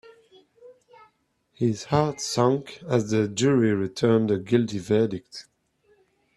His heart sank as the jury returned a guilty verdict.